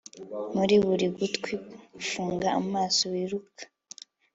Muri buri gutwi funga amaso wiruka